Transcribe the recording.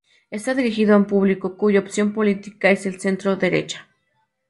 Está dirigido a un público cuya opción política es el centro-derecha.